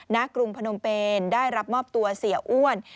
กรุงพนมเปนได้รับมอบตัวเสียอ้วน